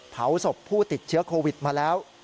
เผาศพผู้ติดเชื้อโควิดมาแล้ว